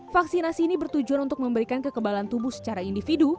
vaksinasi ini bertujuan untuk memberikan kekebalan tubuh secara individu